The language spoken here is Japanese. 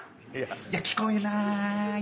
いや聞こえない。